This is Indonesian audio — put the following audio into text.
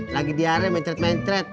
lagi biaranya mentret mentret